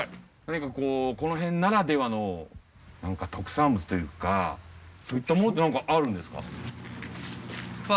何かこの辺ならではの特産物というかそういったものって何かあるんですか？